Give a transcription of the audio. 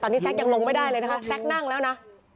ตอนนี้แซ็กยังลงไม่ได้เลยนะคะแซ็กนั่งแล้วนะ